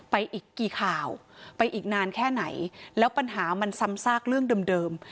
ไปอีกกี่ข่าวไปอีกนานแค่ไหนแล้วปัญหามันซ้ำซากเรื่องเดิม